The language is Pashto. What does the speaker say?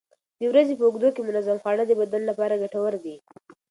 د ورځې په اوږدو کې منظم خواړه د بدن لپاره ګټور دي.